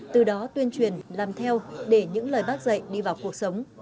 từ đó tuyên truyền làm theo để những lời bác dạy đi vào cuộc sống